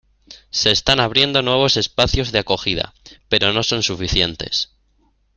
Se están abriendo nuevos espacios de acogida, pero no son suficientes.